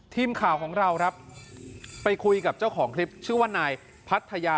ทีมข่าวของเราครับไปคุยกับเจ้าของคลิปชื่อว่านายพัทยา